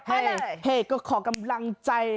เฮ้ก็ขอกำลังใจ